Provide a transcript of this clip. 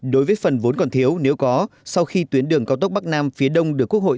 đối với phần vốn còn thiếu nếu có sau khi tuyến đường cao tốc bắc nam phía đông được quốc hội